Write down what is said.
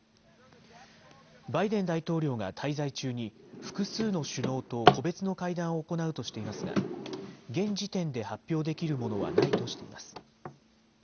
バイデン大統領が滞在中に複数の首脳と個別の会談を行うとしていますが現時点で発表できるものはないとしています。